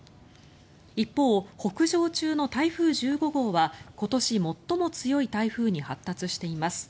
一方、北上中の台風１５号は今年最も強い台風に発達しています。